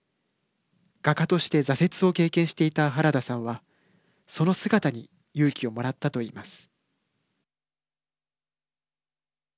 画家として挫折を経験していたはらださんはその姿に勇気をもらったといいます。